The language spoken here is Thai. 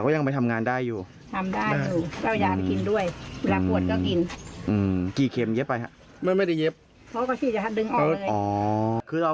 มันป่วยมาหลายวันแล้วไปฉีดมาแล้วมันยังไม่ดีขึ้นก็